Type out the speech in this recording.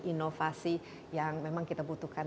inovasi yang memang kita butuhkan